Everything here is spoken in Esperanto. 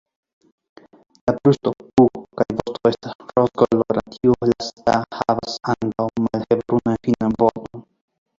La brusto, pugo kaj vosto estas rozkoloraj, tiu lasta havas ankaŭ malhelbrunajn finan bordon.